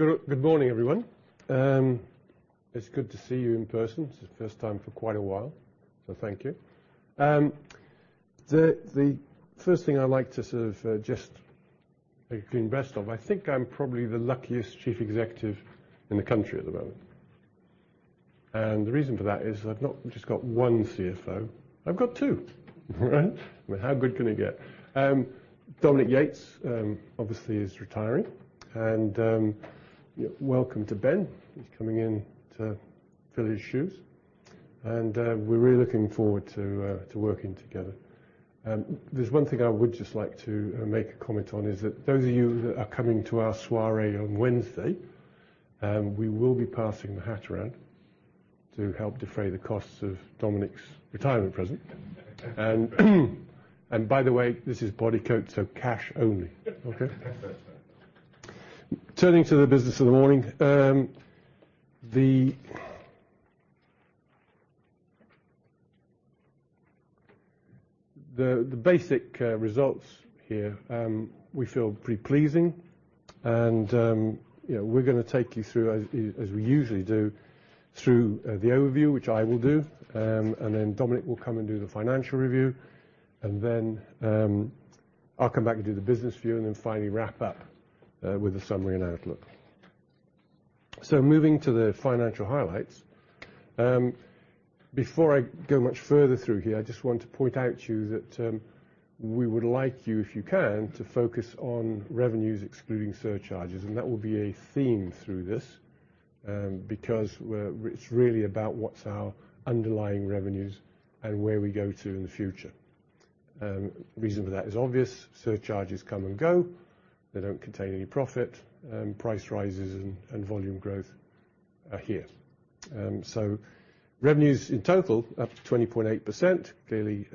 Good morning, everyone. It's good to see you in person. It's the first time for quite a while. Thank you. The first thing I'd like to sort of just hit the invest of, I think I'm probably the luckiest Chief Executive in the country at the moment. The reason for that is I've not just got one CFO, I've got two, right? I mean, how good can it get? Dominique Yates obviously is retiring. Welcome to Ben. He's coming in to fill his shoes. We're really looking forward to working together. There's one thing I would just like to make a comment on is that those of you that are coming to our soiree on Wednesday, we will be passing the hat around to help defray the costs of Dominique's retirement present. By the way, this is Bodycote, so cash only. Okay? Turning to the business of the morning. The basic results here, we feel pretty pleasing and, you know, we're gonna take you through as we usually do, through the overview, which I will do. Then Dominic will come and do the financial review, then I'll come back and do the business review and then finally wrap up with a summary and outlook. Moving to the financial highlights. Before I go much further through here, I just want to point out to you that we would like you, if you can, to focus on revenues excluding surcharges, and that will be a theme through this because it's really about what's our underlying revenues and where we go to in the future. Reason for that is obvious. Surcharges come and go. They don't contain any profit. Price rises and volume growth are here. Revenues in total up to 20.8%. Clearly,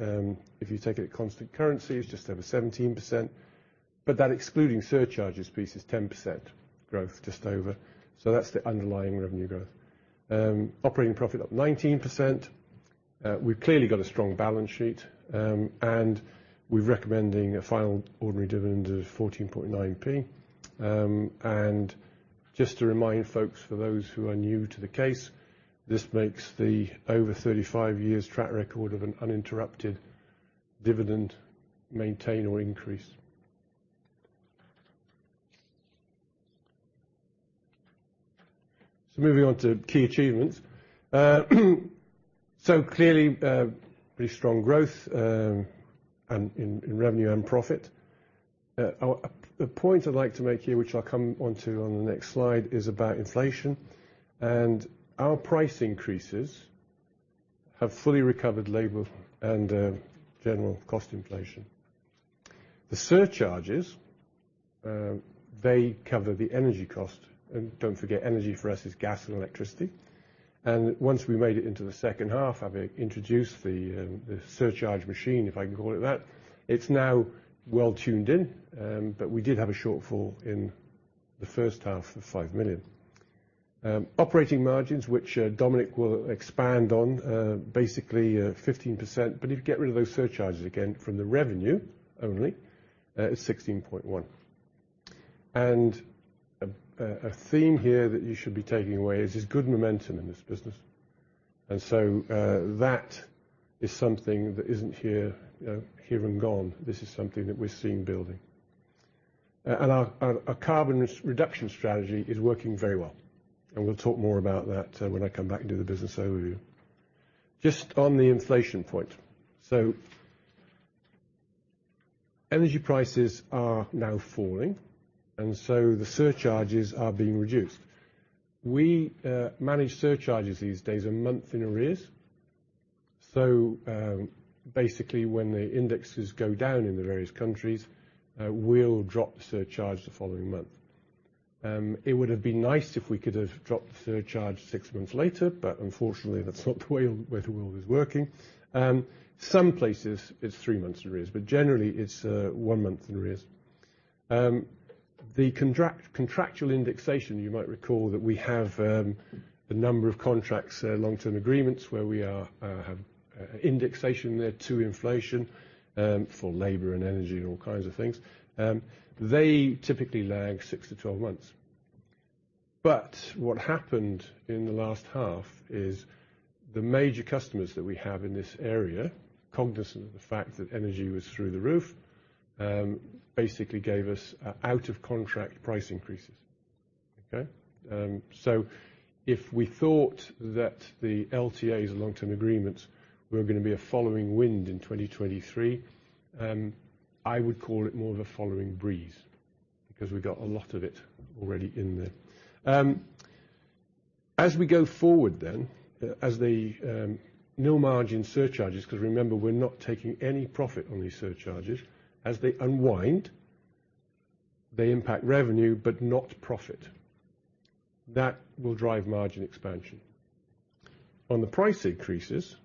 if you take it at constant currencies, just over 17%, but that excluding surcharges piece is 10% growth, just over. That's the underlying revenue growth. Operating profit up 19%. We've clearly got a strong balance sheet, and we're recommending a final ordinary dividend of 14.9 P. Just to remind folks, for those who are new to the case, this makes the over 35 years track record of an uninterrupted dividend maintain or increase. Moving on to key achievements. Clearly, pretty strong growth, and in revenue and profit. The point I'd like to make here, which I'll come onto on the next slide, is about inflation. Our price increases have fully recovered labor and general cost inflation. The surcharges, they cover the energy cost. Don't forget, energy for us is gas and electricity. Once we made it into the second half, having introduced the surcharge machine, if I can call it that, it's now well tuned in. But we did have a shortfall in the first half of 5 million. Operating margins, which Dominique will expand on, basically 15%, but if you get rid of those surcharges again from the revenue only, it's 16.1%. A theme here that you should be taking away is there's good momentum in this business. That is something that isn't here. This is something that we're seeing building. Our carbon reduction strategy is working very well, and we'll talk more about that when I come back and do the business overview. Just on the inflation point. Energy prices are now falling, and the surcharges are being reduced. We manage surcharges these days a month in arrears. When the indexes go down in the various countries, we'll drip the surcharge the following month. It would have been nice if we could have dropped the surcharge six months later. Unfortunately, that's not the way the world is working. Some places it's three months in arrears. Generally, it's one month in arrears. The contractual indexation, you might recall that we have a number of contracts, Long-Term Agreements where we have indexation there to inflation for labor and energy and all kinds of things. They typically lag six to 12 months. What happened in the last half is the major customers that we have in this area, cognizant of the fact that energy was through the roof, basically gave us out-of-contract price increases. Okay? If we thought that the LTAs, Long-Term Agreements, were going to be a following wind in 2023, I would call it more of a following breeze, because we got a lot of it already in there. As we go forward, as the nil margin surcharges, 'cause remember, we're not taking any profit on these surcharges, as they unwind, they impact revenue but not profit. That will drive margin expansion. On the price increases,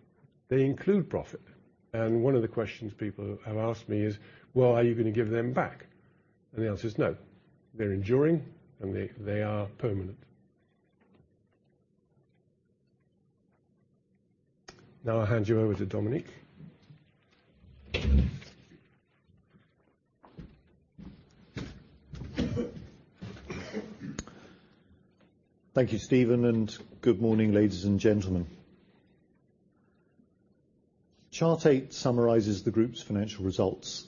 they include profit, and one of the questions people have asked me is, "Well, are you going to give them back?" The answer is no. They're enduring, and they are permanent. Now I'll hand you over to Dominic. Thank you, Stephen. Good morning, ladies and gentlemen. Chart eight summarizes the group's financial results.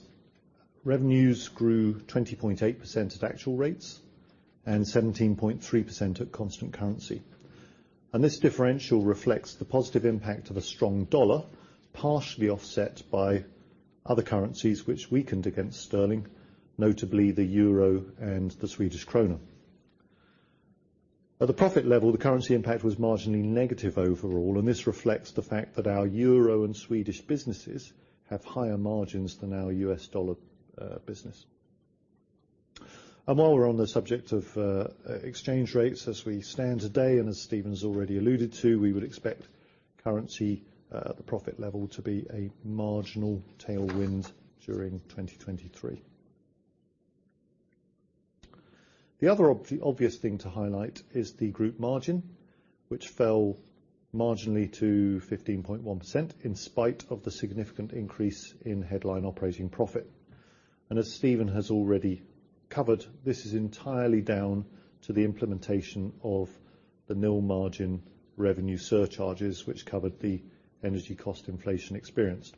Revenues grew 20.8% at actual rates and 17.3% at constant currency. This differential reflects the positive impact of a strong dollar, partially offset by other currencies which weakened against sterling, notably the euro and the Swedish krona. At the profit level, the currency impact was marginally negative overall, and this reflects the fact that our euro and Swedish businesses have higher margins than our U.S. dollar business. While we're on the subject of exchange rates, as we stand today, and as Stephen's already alluded to, we would expect currency at the profit level to be a marginal tailwind during 2023. The other obvious thing to highlight is the group margin, which fell marginally to 15.1% in spite of the significant increase in headline operating profit. As Stephen has already covered, this is entirely down to the implementation of the nil margin revenue surcharges which covered the energy cost inflation experience.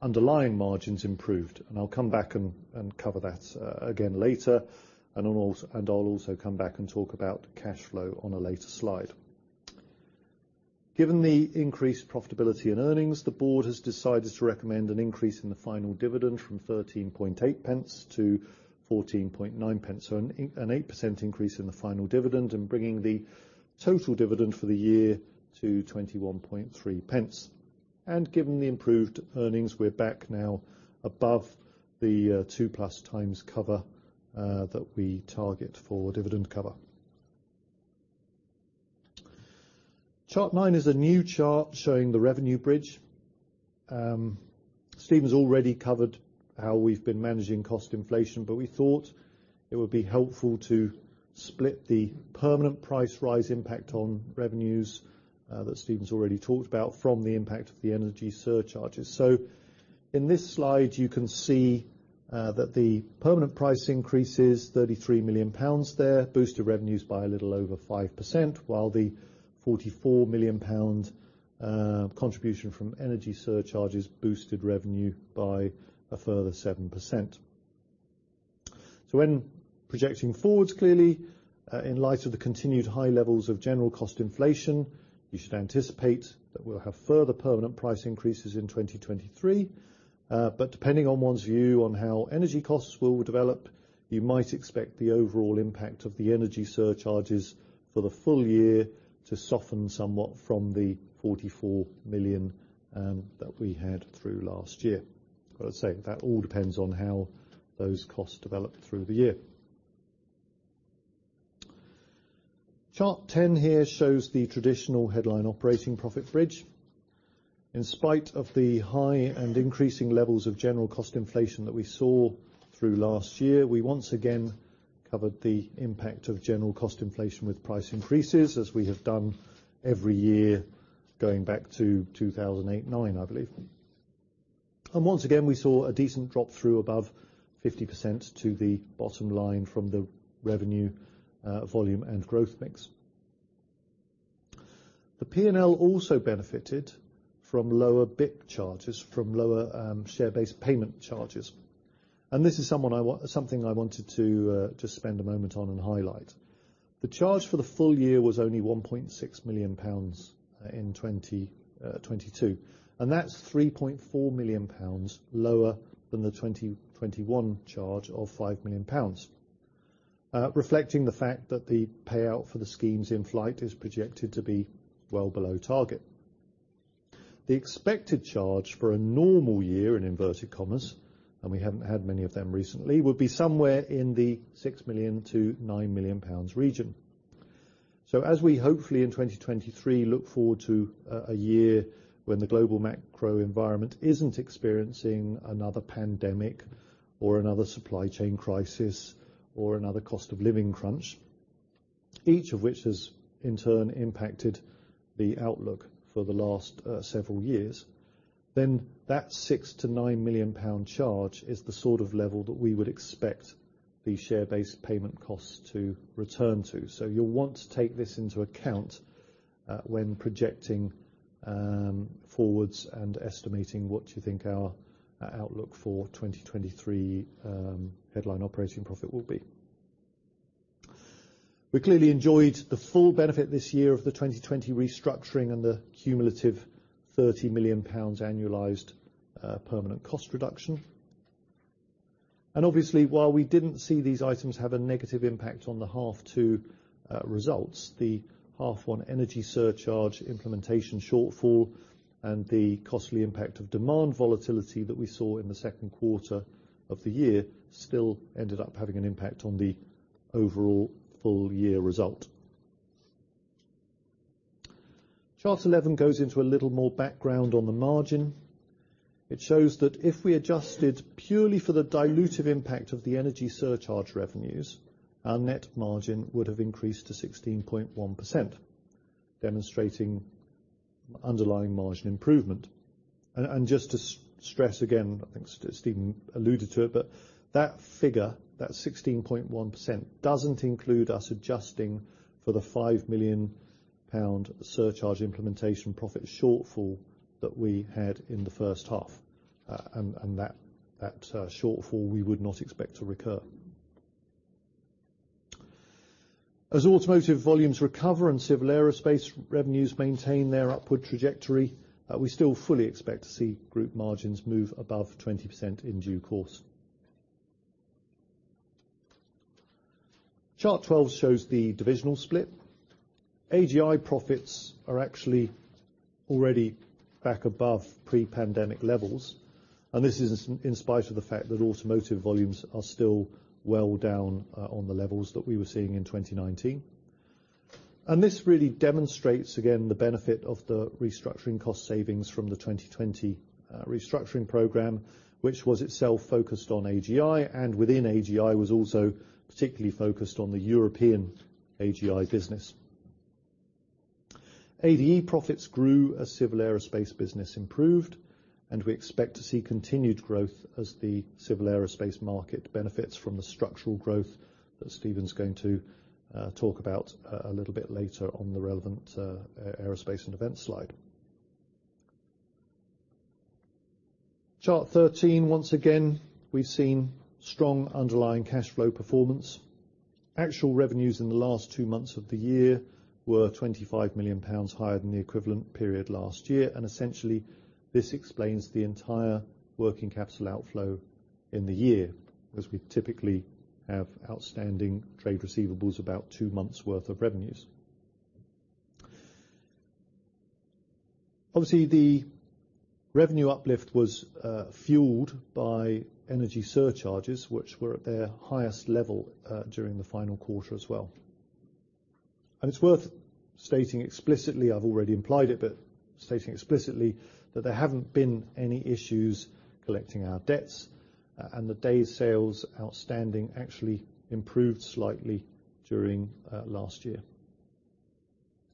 Underlying margins improved, and I'll come back and cover that again later, and I'll also come back and talk about cash flow on a later slide. Given the increased profitability and earnings, the board has decided to recommend an increase in the final dividend from 0.138 to 0.149. An 8% increase in the final dividend and bringing the total dividend for the year to 0.213. Given the improved earnings, we're back now above the two plus times cover that we target for dividend cover. Chart nine is a new chart showing the revenue bridge. Stephen's already covered how we've been managing cost inflation, but we thought it would be helpful to split the permanent price rise impact on revenues that Stephen's already talked about from the impact of the energy surcharges. In this slide, you can see that the permanent price increase is 33 million pounds there, boosted revenues by a little over 5%, while the 44 million pound contribution from energy surcharges boosted revenue by a further 7%. When projecting forwards, clearly, in light of the continued high levels of general cost inflation, you should anticipate that we'll have further permanent price increases in 2023. Depending on one's view on how energy costs will develop, you might expect the overall impact of the energy surcharges for the full year to soften somewhat from the 44 million that we had through last year. As I say, that all depends on how those costs develop through the year. Chart 10 here shows the traditional headline operating profit bridge. In spite of the high and increasing levels of general cost inflation that we saw through last year, we once again covered the impact of general cost inflation with price increases as we have done every year going back to 2008, 2009, I believe. Once again, we saw a decent drop-through above 50% to the bottom line from the revenue, volume and growth mix. The P&L also benefited from lower BIC charges, from lower share-based payment charges. This is something I wanted to spend a moment on and highlight. The charge for the full year was only 1.6 million pounds in 2022, and that's 3.4 million pounds lower than the 2021 charge of 5 million pounds, reflecting the fact that the payout for the schemes in flight is projected to be well below target. The expected charge for a normal year, in inverted commas, and we haven't had many of them recently, would be somewhere in the 6 million-9 million pounds region. As we hopefully in 2023 look forward to a year when the global macro environment isn't experiencing another pandemic or another supply chain crisis or another cost of living crunch, each of which has in turn impacted the outlook for the last several years, then that 6 million-9 million pound charge is the sort of level that we would expect the share-based payment costs to return to. You'll want to take this into account when projecting forwards and estimating what you think our outlook for 2023 headline operating profit will be. We clearly enjoyed the full benefit this year of the 2020 restructuring and the cumulative 30 million pounds annualized permanent cost reduction. Obviously, while we didn't see these items have a negative impact on the half two results, the half one energy surcharge implementation shortfall and the costly impact of demand volatility that we saw in the second quarter of the year still ended up having an impact on the overall full year result. Chart 11 goes into a little more background on the margin. It shows that if we adjusted purely for the dilutive impact of the energy surcharge revenues, our net margin would have increased to 16.1%, demonstrating underlying margin improvement. Just to stress again, I think Stephen alluded to it, but that figure, that 16.1%, doesn't include us adjusting for the 5 million pound surcharge implementation profit shortfall that we had in the first half. That shortfall we would not expect to recur. As automotive volumes recover and civil aerospace revenues maintain their upward trajectory, we still fully expect to see group margins move above 20% in due course. Chart 12 shows the divisional split. AGI profits are actually already back above pre-pandemic levels. This is in spite of the fact that automotive volumes are still well down on the levels that we were seeing in 2019. This really demonstrates again the benefit of the restructuring cost savings from the 2020 restructuring program, which was itself focused on AGI, and within AGI was also particularly focused on the European AGI business. ADE profits grew as civil aerospace business improved, we expect to see continued growth as the civil aerospace market benefits from the structural growth that Stephen's going to talk about a little bit later on the relevant aerospace and events slide. Chart 13, once again, we've seen strong underlying cashflow performance. Actual revenues in the last two months of the year were 25 million pounds higher than the equivalent period last year. Essentially, this explains the entire working capital outflow in the year, as we typically have outstanding trade receivables about two months worth of revenues. Obviously, the revenue uplift was fueled by energy surcharges which were at their highest level during the final quarter as well. It's worth stating explicitly, I've already implied it, but stating explicitly that there haven't been any issues collecting our debts, and the days sales outstanding actually improved slightly during last year.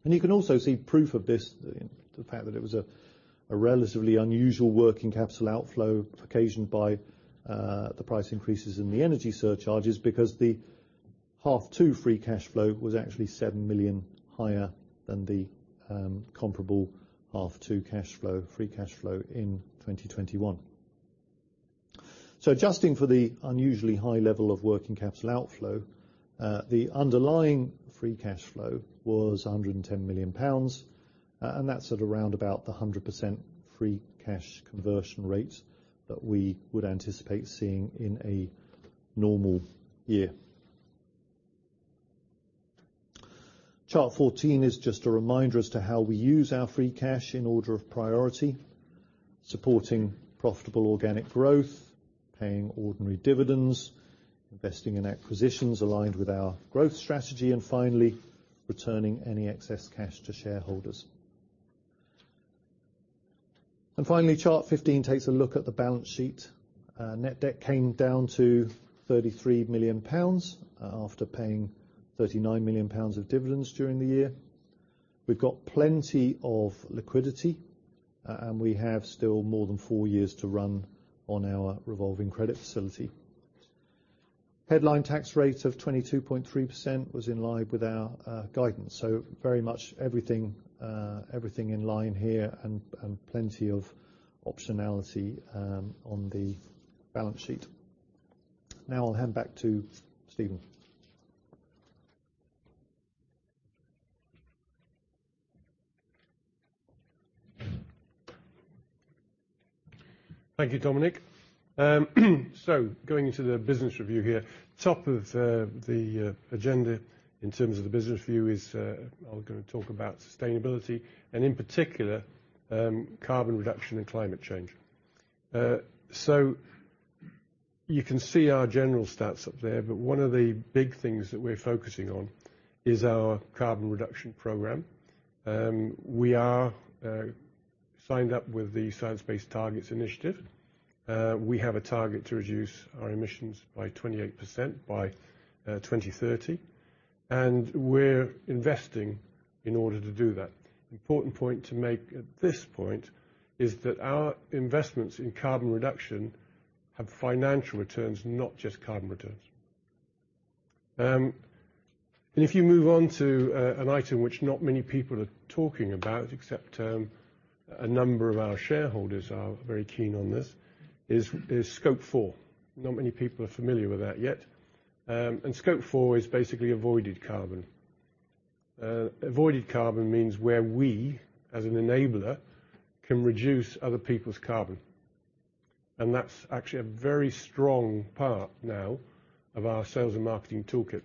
You can also see proof of this, the fact that it was a relatively unusual working capital outflow occasioned by the price increases in the energy surcharges because the half two free cash flow was actually 7 million higher than the comparable half two cash flow, free cash flow in 2021. Adjusting for the unusually high level of working capital outflow, the underlying free cash flow was 110 million pounds, and that's at around about the 100% free cash conversion rate that we would anticipate seeing in a normal year. Chart 14 is just a reminder as to how we use our free cash in order of priority. Supporting profitable organic growth, paying ordinary dividends, investing in acquisitions aligned with our growth strategy, and finally, returning any excess cash to shareholders. Finally, chart 15 takes a look at the balance sheet. Net debt came down to 33 million pounds after paying 39 million pounds of dividends during the year. We've got plenty of liquidity, and we have still more than four years to run on our revolving credit facility. Headline tax rate of 22.3% was in line with our guidance. Very much everything in line here and plenty of optionality on the balance sheet. Now I'll hand back to Stephen. Thank you, Dominique. Going into the business review here, top of the agenda in terms of the business review is I'm gonna talk about sustainability and in particular, carbon reduction and climate change. You can see our general stats up there, but one of the big things that we're focusing on is our carbon reduction program. We are signed up with the Science Based Targets initiative. We have a target to reduce our emissions by 28% by 2030, and we're investing in order to do that. Important point to make at this point is that our investments in carbon reduction have financial returns, not just carbon returns. If you move on to an item which not many people are talking about, except a number of our shareholders are very keen on this, is Scope Four. Not many people are familiar with that yet. Scope Four is basically avoided carbon. Avoided carbon means where we, as an enabler, can reduce other people's carbon, and that's actually a very strong part now of our sales and marketing toolkit.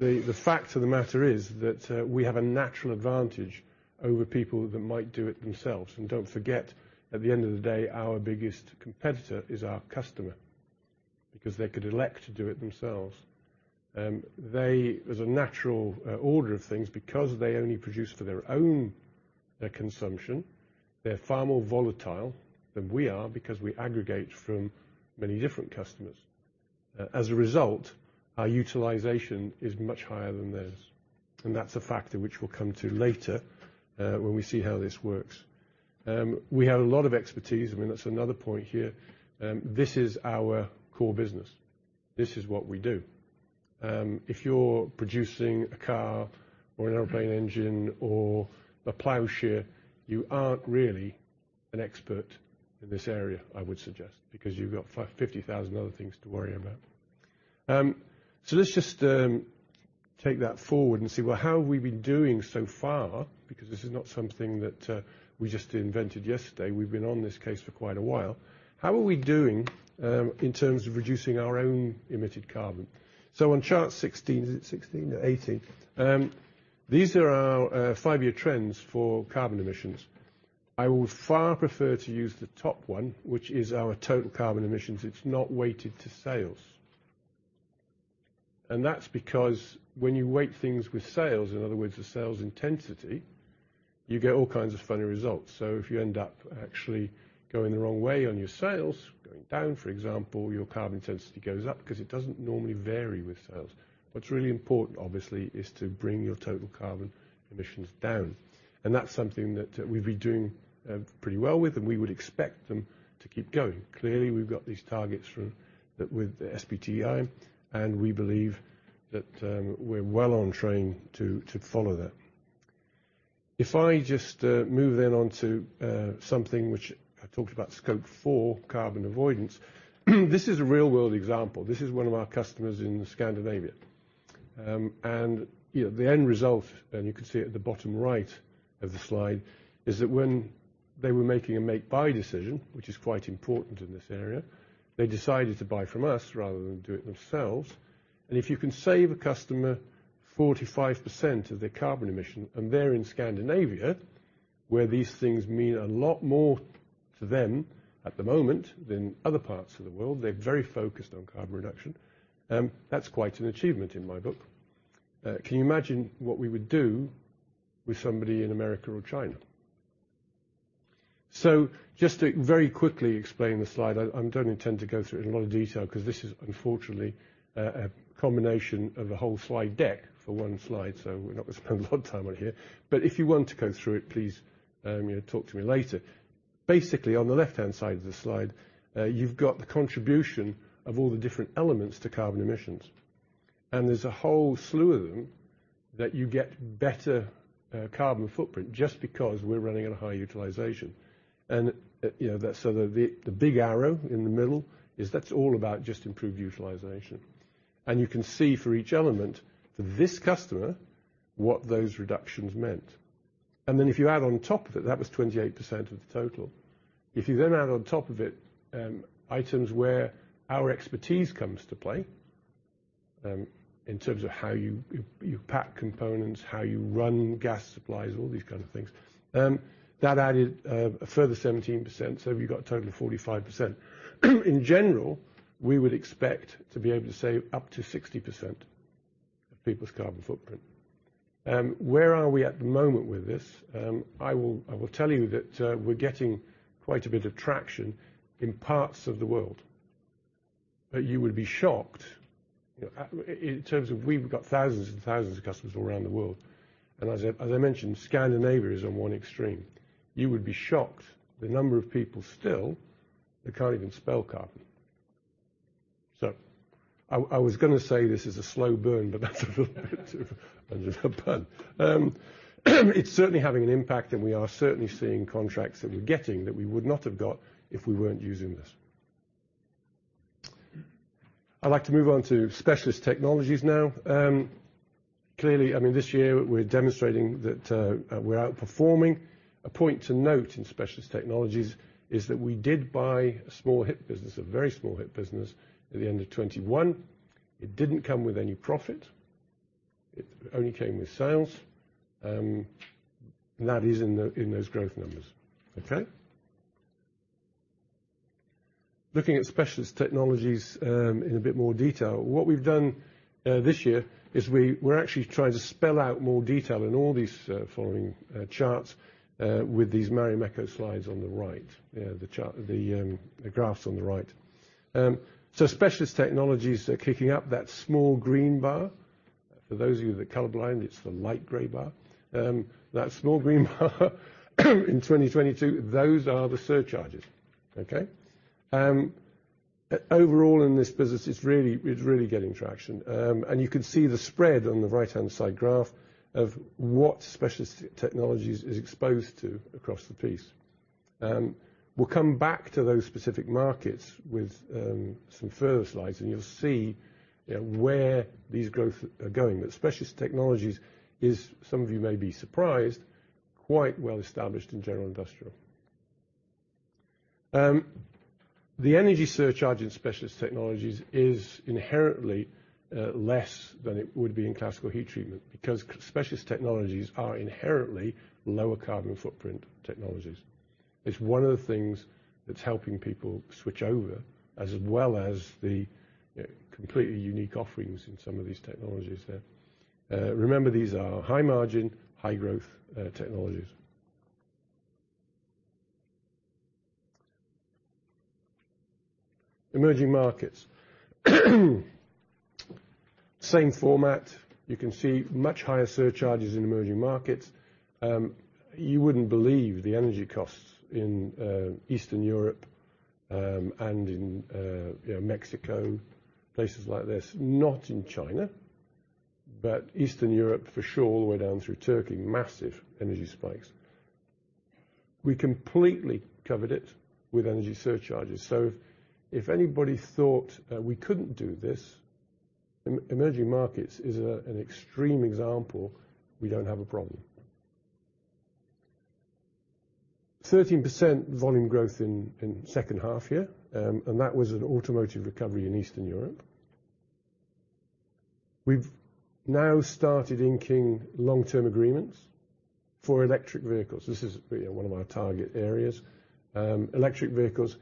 The fact of the matter is that we have a natural advantage over people that might do it themselves. Don't forget, at the end of the day, our biggest competitor is our customer. Because they could elect to do it themselves. There's a natural order of things because they only produce for their own, their consumption, they're far more volatile than we are because we aggregate from many different customers. As a result, our utilization is much higher than theirs, and that's a factor which we'll come to later, when we see how this works. We have a lot of expertise. I mean, that's another point here. This is our core business. This is what we do. If you're producing a car or an airplane engine or a plow shear, you aren't really an expert in this area, I would suggest, because you've got 50,000 other things to worry about. Let's just take that forward and see, well, how have we been doing so far? Because this is not something that we just invented yesterday. We've been on this case for quite a while. How are we doing in terms of reducing our own emitted carbon? On chart 16. Is it 16? 18. These are our five-year trends for carbon emissions. I would far prefer to use the top one, which is our total carbon emissions. It's not weighted to sales. That's because when you weight things with sales, in other words, the sales intensity, you get all kinds of funny results. If you end up actually going the wrong way on your sales, going down, for example, your carbon intensity goes up because it doesn't normally vary with sales. What's really important, obviously, is to bring your total carbon emissions down, and that's something that we've been doing pretty well with, and we would expect them to keep going. Clearly, we've got these targets from, with the SBTI, and we believe that we're well on train to follow that. If I just move then on to something which I talked about, Scope Four, carbon avoidance. This is a real-world example. This is one of our customers in Scandinavia. And you know, the end result, and you can see it at the bottom right of the slide, is that when they were making a make/buy decision, which is quite important in this area, they decided to buy from us rather than do it themselves. If you can save a customer 45% of their carbon emission, and they're in Scandinavia, where these things mean a lot more to them at the moment than other parts of the world, they're very focused on carbon reduction, that's quite an achievement in my book. Can you imagine what we would do with somebody in America or China? Just to very quickly explain the slide, I don't intend to go through it in a lot of detail because this is unfortunately a combination of a whole slide deck for one slide, so we're not going to spend a lot of time on here. If you want to go through it, please, you know, talk to me later. Basically, on the left-hand side of the slide, you've got the contribution of all the different elements to carbon emissions, and there's a whole slew of them that you get better carbon footprint just because we're running at a high utilization. You know, so the big arrow in the middle is that's all about just improved utilization. You can see for each element for this customer what those reductions meant. If you add on top of it, that was 28% of the total. If you then add on top of it, items where our expertise comes to play, in terms of how you pack components, how you run gas supplies, all these kind of things, that added a further 17%. You've got a total of 45%. In general, we would expect to be able to save up to 60% of people's carbon footprint. Where are we at the moment with this? I will tell you that we're getting quite a bit of traction in parts of the world, but you would be shocked, you know, in terms of... We've got thousands and thousands of customers all around the world. As I, as I mentioned, Scandinavia is on one extreme. You would be shocked the number of people still that can't even spell carbon. I was going to say this is a slow burn, but that's a little bit of a pun. It's certainly having an impact, and we are certainly seeing contracts that we're getting that we would not have got if we weren't using this. I'd like to move on to Specialist Technologies now. Clearly, I mean, this year, we're demonstrating that we're outperforming. A point to note in Specialist Technologies is that we did buy a very small HIP business at the end of 2021. It didn't come with any profit. It only came with sales. That is in those growth numbers. Okay? Looking at Specialist Technologies, in a bit more detail. What we've done this year is we're actually trying to spell out more detail in all these following charts with these Marimekko slides on the right. You know, the chart, the graphs onathe right. Specialist Technologies are kicking up that small green bar. For those of you that are color blind, it's the light gray bar. That small green bar in 2022, those are the surcharges. Okay? Overall in this business, it's really getting traction. You can see the spread on the right-hand side graph of what Specialist Technologies is exposed to across the piece. We'll come back to those specific markets with some further slides, and you'll see, you know, where these growth are going. That Specialist Technologies is, some of you may be surprised, quite well established in general industrial. The energy surcharge in Specialist Technologies is inherently less than it would be in Classical Heat Treatment because Specialist Technologies are inherently lower carbon footprint technologies. It's one of the things that's helping people switch over, as well as the completely unique offerings in some of these technologies there. Remember, these are high margin, high growth technologies. emerging markets. Same format. You can see such higher surcharges in emerging markets. You wouldn't believe the energy costs in Eastern Europe, and in, you know, Mexico, places like this. Not in China, but Eastern Europe for sure all the way down through Turkey, massive energy spikes. We completely covered it with energy surcharges. If anybody thought we couldn't do this, emerging markets is an extreme example we don't have a problem. 13% volume growth in second half year. That was an automotive recovery in Eastern Europe. We've now started inking long-term agreements for electric vehicles. This is, you know, one of our target areas. Electric vehicles,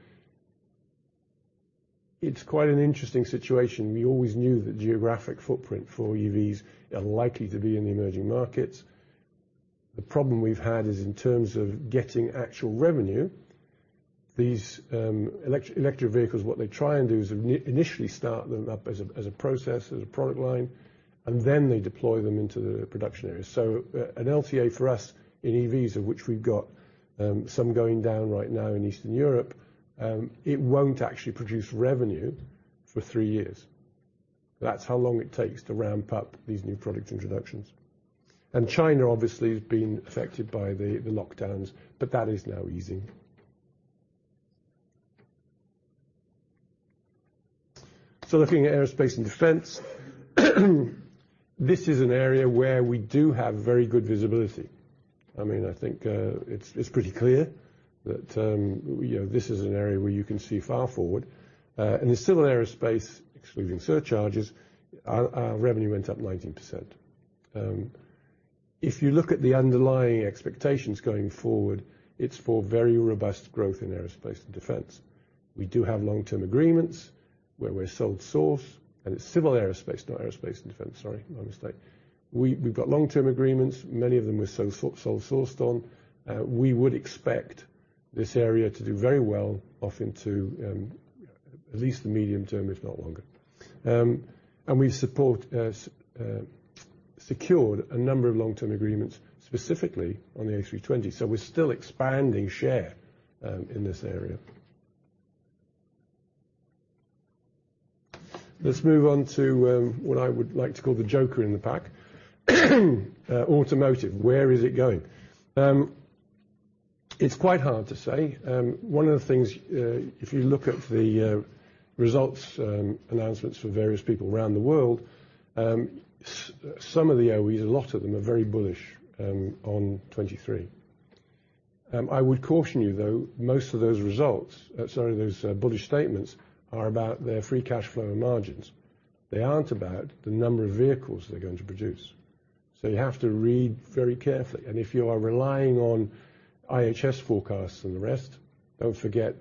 it's quite an interesting situation. We always knew the geographic footprint for EVs are likely to be in the emerging markets. The problem we've had is in terms of getting actual revenue. These electric vehicles, what they try and do is initially start them up as a, as a process, as a product line, and then they deploy them into the production area. An LTA for us in EVs, of which we've got some going down right now in Eastern Europe, it won't actually produce revenue for three years. That's how long it takes to ramp up these new product introductions. China obviously has been affected by the lockdowns, but that is now easing. Looking at aerospace and defense. This is an area where we do have very good visibility. I mean, I think it's pretty clear that, you know, this is an area where you can see far forward. In the civil aerospace, excluding surcharges, our revenue went up 19%. If you look at the underlying expectations going forward, it's for very robust growth in aerospace and defense. We do have long-term agreements where we're sole source, and it's civil aerospace, not aerospace and defense. Sorry, my mistake. We've got long-term agreements. Many of them we're sole sourced on. We would expect this area to do very well off into at least the medium term, if not longer. We secured a number of long-term agreements, specifically on the A320. We're still expanding share in this area. Let's move on to what I would like to call the joker in the pack. Automotive, where is it going? It's quite hard to say. One of the things, if you look at the results announcements for various people around the world, some of the OEs, a lot of them are very bullish on 23. I would caution you, though, most of those results, sorry, those bullish statements are about their free cash flow and margins. They aren't about the number of vehicles they're going to produce. You have to read very carefully. If you are relying on IHS forecasts and the rest, don't forget,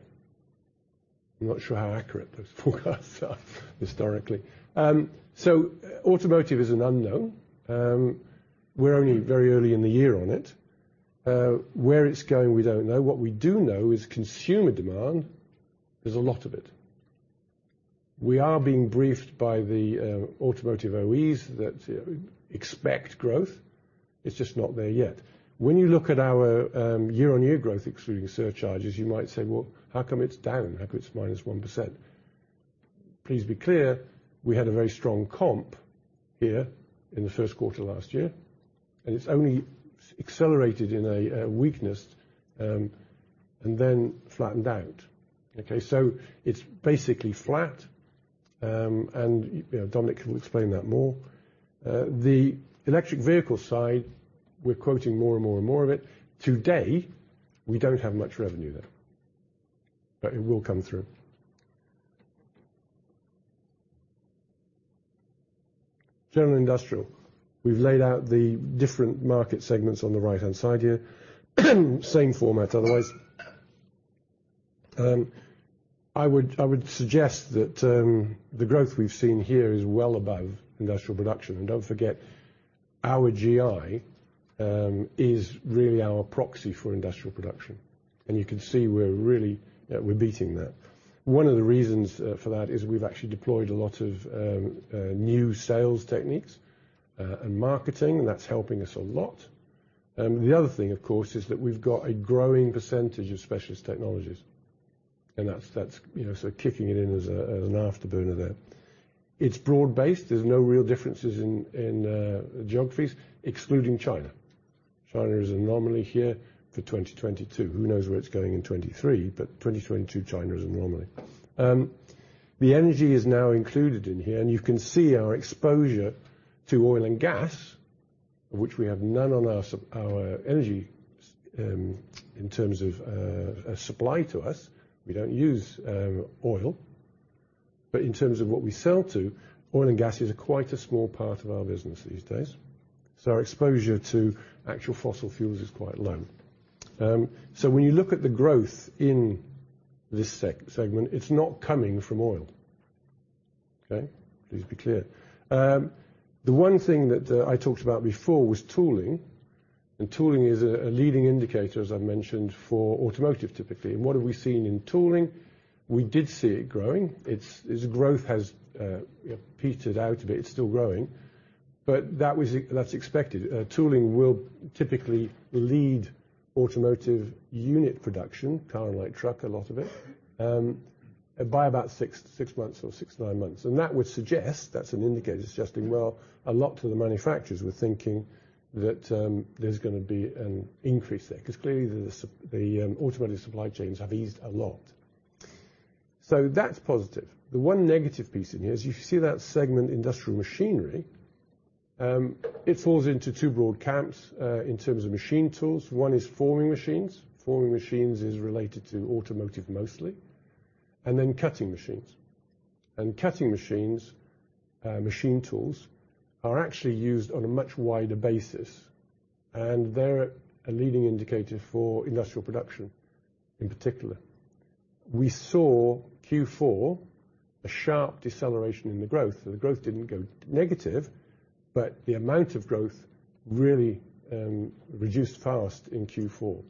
I'm not sure how accurate those forecasts are historically. Automotive is an unknown. We're only very early in the year on it. Where it's going, we don't know. What we do know is consumer demand, there's a lot of it. We are being briefed by the automotive OEs that, you know, expect growth. It's just not there yet. When you look at our year-on-year growth excluding surcharges, you might say, "Well, how come it's down? How come it's -1%?" Please be clear, we had a very strong comp here in the first quarter last year, and it's only accelerated in a weakness and then flattened out. Okay? It's basically flat. You know, Dominic can explain that more. The electric vehicle side, we're quoting more and more of it. Today, we don't have much revenue there, but it will come through. General Industrial. We've laid out the different market segments on the right-hand side here. Same format otherwise. I would suggest that the growth we've seen here is well above industrial production. Don't forget, our GI is really our proxy for industrial production. You can see we're really beating that. One of the reasons for that is we've actually deployed a lot of new sales techniques and marketing, and that's helping us a lot. The other thing, of course, is that we've got a growing percentage of Specialist Technologies. That's, you know, so kicking it in as an afterburner there. It's broad-based. There's no real differences in geographies, excluding China. China is an anomaly here for 2022. Who knows where it's going in 2023, but 2022, China is an anomaly. The energy is now included in here, and you can see our exposure to oil and gas, which we have none on our energy, in terms of supply to us. We don't use oil. In terms of what we sell to, oil and gas is quite a small part of our business these days. Our exposure to actual fossil fuels is quite low. When you look at the growth in this segment, it's not coming from oil, okay? Please be clear. The one thing that I talked about before was tooling, and tooling is a leading indicator, as I've mentioned, for automotive typically. What have we seen in tooling? We did see it growing. Its growth has, you know, petered out a bit. It's still growing, but that's expected. Tooling will typically lead automotive unit production, car and light truck, a lot of it, by about six months or six, nine months. That would suggest, that's an indicator suggesting, well, a lot of the manufacturers were thinking that there's gonna be an increase there 'cause clearly the automotive supply chains have eased a lot. That's positive. The one negative piece in here is you see that segment industrial machinery, it falls into two broad camps in terms of machine tools. One is forming machines. Forming machines is related to automotive mostly. Cutting machines. Cutting machines, machine tools, are actually used on a much wider basis, and they're a leading indicator for industrial production in particular. We saw Q4, a sharp deceleration in the growth. The growth didn't go negative, but the amount of growth really reduced fast in Q4.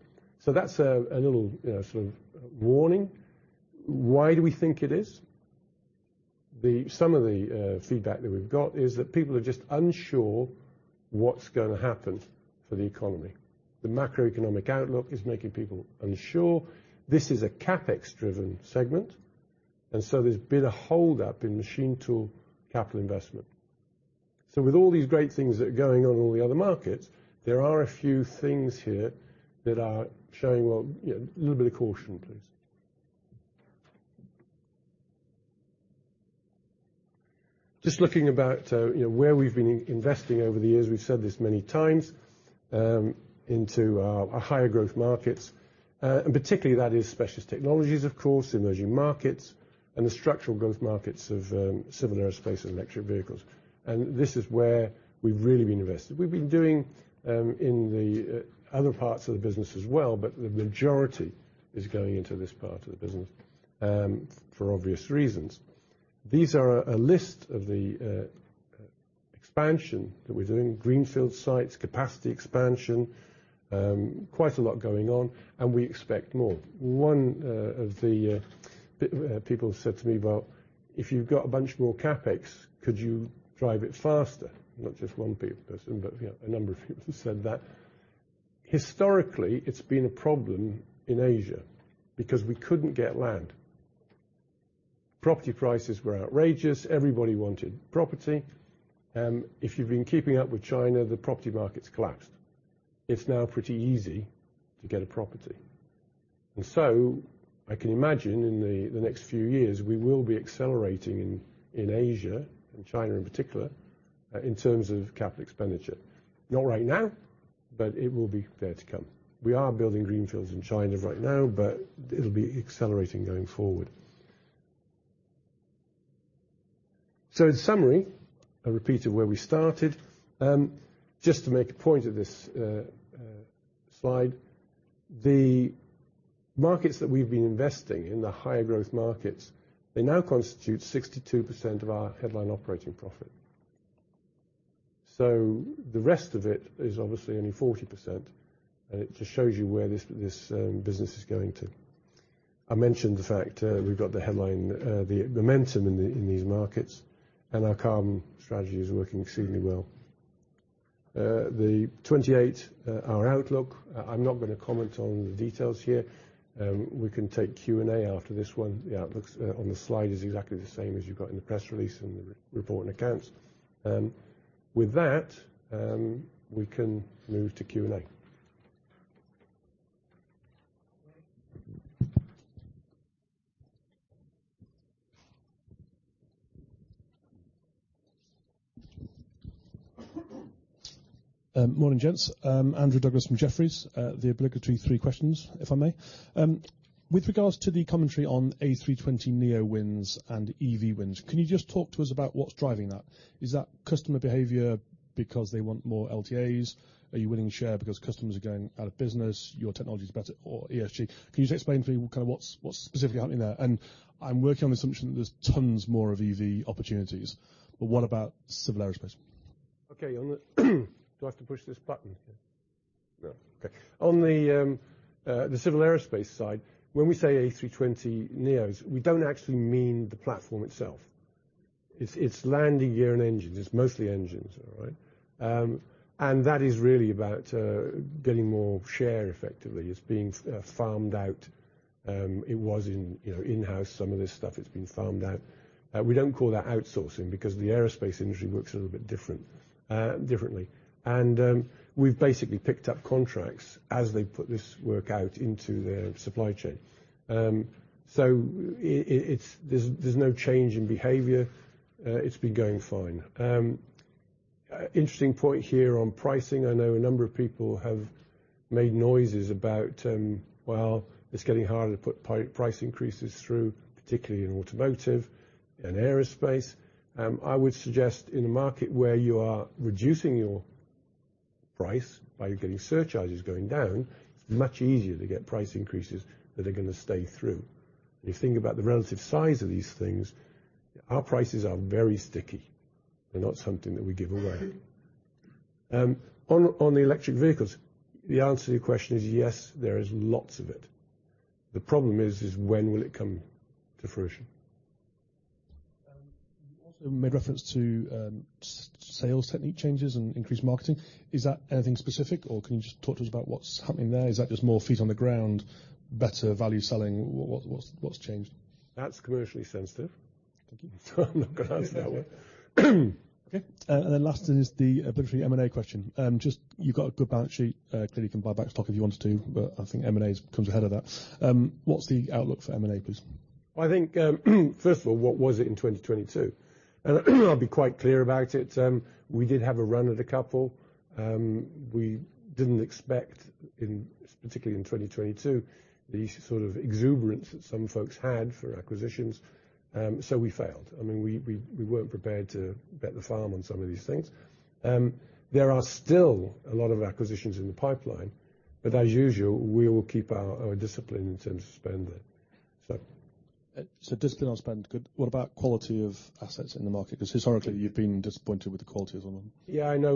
That's a little, you know, sort of warning. Why do we think it is? Some of the feedback that we've got is that people are just unsure what's gonna happen for the economy. The macroeconomic outlook is making people unsure. This is a CapEx-driven segment. There's been a hold up in machine tool capital investment. With all these great things that are going on in all the other markets, there are a few things here that are showing, well, you know, a little bit of caution, please. Just looking about, you know, where we've been investing over the years, we've said this many times, into our higher growth markets. Particularly, that is Specialist Technologies, of course, emerging markets, and the structural growth markets of civil aerospace and electric vehicles. This is where we've really been invested. We've been doing in the other parts of the business as well, but the majority is going into this part of the business, for obvious reasons. These are a list of the expansion that we're doing, greenfield sites, capacity expansion, quite a lot going on, and we expect more. One of the people have said to me, "Well, if you've got a bunch more CapEx, could you drive it faster?" Not just one person, but you know, a number of people have said that. Historically, it's been a problem in Asia because we couldn't get land. Property prices were outrageous. Everybody wanted property. If you've been keeping up with China, the property market's collapsed. It's now pretty easy to get a property. I can imagine in the next few years, we will be accelerating in Asia, and China in particular, in terms of capital expenditure. Not right now, but it will be fair to come. We are building greenfields in China right now, but it'll be accelerating going forward. In summary, a repeat of where we started, just to make a point of this slide, the markets that we've been investing in, the higher growth markets, they now constitute 62% of our headline operating profit. The rest of it is obviously only 40%, and it just shows you where this business is going to. I mentioned the fact, we've got the headline, the momentum in these markets, and our carbon strategy is working exceedingly well. The 2028, our outlook, I'm not going to comment on the details here. We can take Q and A after this one. The outlooks, on the slide is exactly the same as you've got in the press release and the annual report and accounts. With that, we can move to Q and A. Morning, gents. Andrew Douglas from Jefferies The obligatory three questions, if I may. With regards to the commentary on A320neo wins and EV wins, can you just talk to us about what's driving that? Is that customer behavior because they want more LTAs? Are you winning share because customers are going out of business, your technology's better, or ESG? Can you just explain to me kind of what's specifically happening there? I'm working on the assumption that there's tons more of EV opportunities. What about civil aerospace? Okay. On the... Do I have to push this button here? No. Okay. On the civil aerospace side, when we say A320neos, we don't actually mean the platform itself. It's landing gear and engines. It's mostly engines, all right? That is really about getting more share effectively. It's being farmed out. It was in, you know, in-house, some of this stuff. It's being farmed out. We don't call that outsourcing because the aerospace industry works a little bit different, differently. We've basically picked up contracts as they put this work out into their supply chain. There's no change in behavior. It's been going fine. Interesting point here on pricing. I know a number of people have made noises about, well, it's getting harder to put price increases through, particularly in automotive and aerospace. I would suggest in a market where you are reducing your price by getting surcharges going down, it's much easier to get price increases that are gonna stay through. If you think about the relative size of these things, our prices are very sticky. They're not something that we give away. On the electric vehicles, the answer to your question is yes, there is lots of it. The problem is when will it come to fruition? You also made reference to sales technique changes and increased marketing. Is that anything specific, or can you just talk to us about what's happening there? Is that just more feet on the ground, better value selling? What's changed? That's commercially sensitive. Thank you. I'm not gonna answer that one. Okay. Last is the obligatory M&A question. Just you've got a good balance sheet, clearly can buy back stock if you wanted to, I think M&A is, comes ahead of that. What's the outlook for M&A please? I think, first of all, what was it in 2022? I'll be quite clear about it. We did have a run at a couple, we didn't expect in, particularly in 2022, the sort of exuberance that some folks had for acquisitions. We failed. I mean, we weren't prepared to bet the farm on some of these things. There are still a lot of acquisitions in the pipeline, but as usual, we will keep our discipline in terms of spending. Discipline on spend. Good. What about quality of assets in the market? Because historically you've been disappointed with the quality of them. Yeah, I know.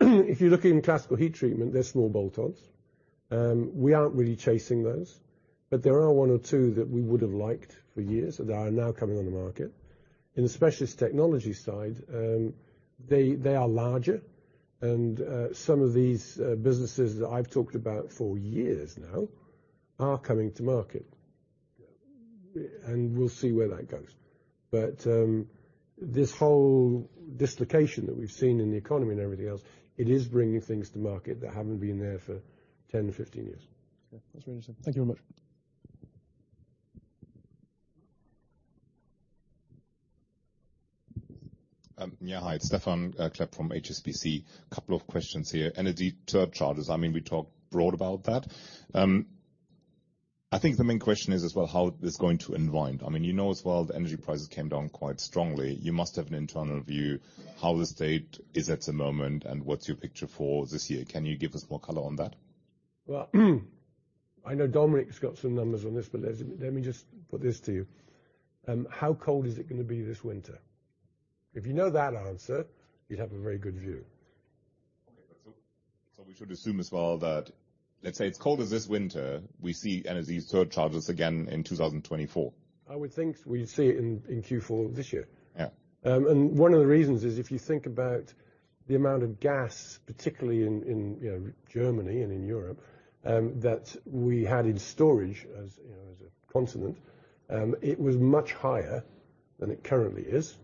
If you're looking in Classical Heat Treatment, they're small bolt-ons. We aren't really chasing those, but there are one or two that we would've liked for years that are now coming on the market. In the Specialist Technologies side, they are larger, and some of these businesses that I've talked about for years now are coming to market. We'll see where that goes. This whole dislocation that we've seen in the economy and everything else, it is bringing things to market that haven't been there for 10 to 15 years. Okay. That's very interesting. Thank you very much. Yeah. Hi, it's Stephan Klepp from HSBC. Couple of questions here. Energy surcharges. We talked broad about that. I think the main question is, as well, how it's going to unwind. As well, the energy prices came down quite strongly. You must have an internal view how the state is at the moment and what's your picture for this year. Can you give us more color on that? I know Dominic's got some numbers on this. Let me just put this to you. How cold is it gonna be this winter? If you know that answer, you'd have a very good view. Okay. We should assume as well that, let's say it's cold as this winter, we see energy surcharges again in 2024? I would think we'd see it in Q4 this year. Yeah. One of the reasons is if you think about the amount of gas, particularly in, you know, Germany and in Europe, that we had in storage as, you know, as a continent, it was much higher than it currently is,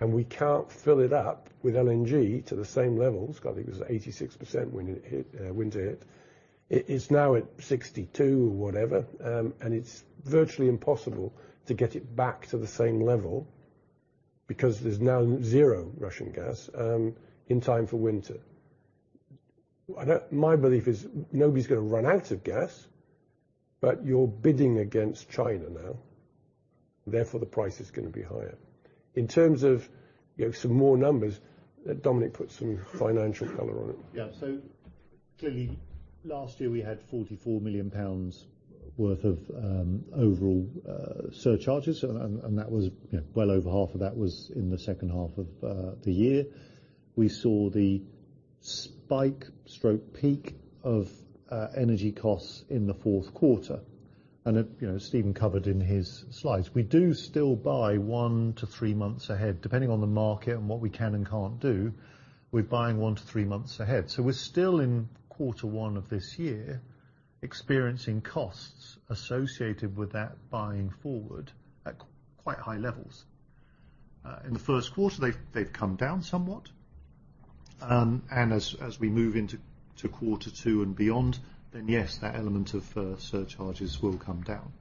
and we can't fill it up with LNG to the same levels. God, I think it was 86% when it hit winter hit. It's now at 62 or whatever. It's virtually impossible to get it oack to the same level because there's now zero Russian gas in time for winter. My belief is nobody's gonna run out of gas, but you're bidding against China now, therefore the price is gonna be higher. In terms of, you know, some more numbers, let Dominic put some financial color on it. Yeah. Clearly last year we had 44 million pounds worth of overall surcharges. That was, you know, well over half of that was in the second half of the year. We saw the spike stroke peak of energy costs in the fourth quarter. You know, Stephen covered in his slides. We do still buy one to three months ahead, depending on the market and what we can and can't do with buying one to three months ahead. We're still in quarter one of this year experiencing costs associated with that buying forward at quite high levels. In the first quarter, they've come down somewhat. As we move into quarter two and beyond, then yes, that element of surcharges will come down.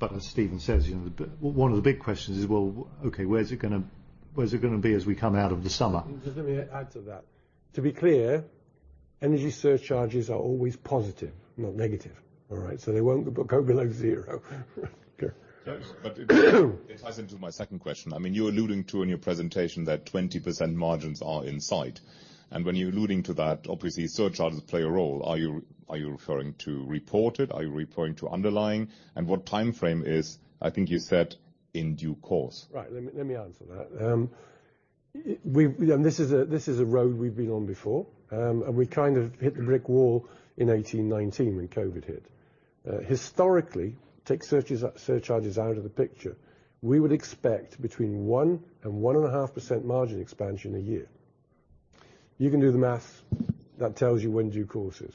As Stephen says, you know, One of the big questions is, well, okay, where's it gonna be as we come out of the summer? Just let me add to that. To be clear, energy surcharges are always positive, not negative. All right? They won't go below zero. It ties into my second question. I mean, you're alluding to in your presentation that 20% margins are in sight, and when you're alluding to that, obviously surcharges play a role. Are you referring to reported? Are you referring to underlying? What timeframe is, I think you said in due course? Right. Let me answer that. This is a road we've been on before. We kind of hit the brick wall in 2018 to 2019 when COVID hit. Historically, take searches, surcharges out of the picture, we would expect between 1%-1.5% margin expansion a year. You can do the math. That tells you when due course is.